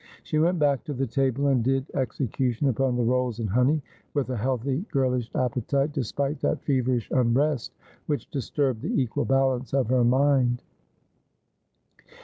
She went back to the table, and did execution upon the rolls and honey with a healthy girlish appetite, despite that feverish unrest which disturbed the equal balance of her mind.